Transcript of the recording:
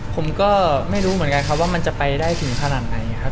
ผมก็ไม่รู้เหมือนกันครับว่ามันจะไปได้ถึงขนาดไหนครับ